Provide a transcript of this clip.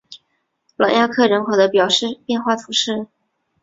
朗雅克人口变化图示